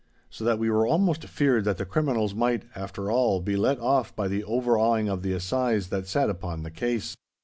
So that we were almost feared that the criminals might, after all, be let off by the overawing of the assize that sat upon the case.